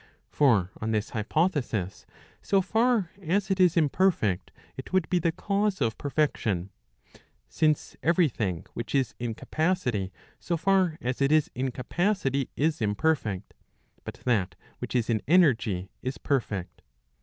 For on this hypothesis, so far as it is imperfect, it would be the cause of perfection; since every thing which is in capacity, so far as it is in capacity, is imperfect, but that which is in energy is perfect.